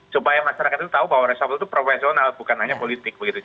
supaya masyarakat itu tahu bahwa reshuffle itu profesional bukan hanya politik begitu